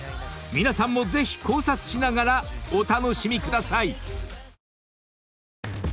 ［皆さんもぜひ考察しながらお楽しみください］